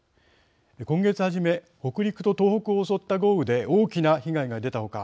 今月初め北陸と東北を襲った豪雨で大きな被害が出た他